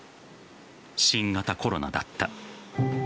新型コロナだった。